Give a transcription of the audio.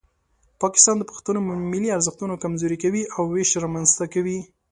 پاکستان د پښتنو ملي ارزښتونه کمزوري کوي او ویش رامنځته کوي.